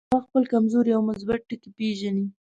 هغه خپل کمزوري او مثبت ټکي پېژني.